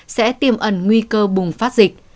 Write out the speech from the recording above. sẽ tiềm ẩn nguy cơ bùng phát dịch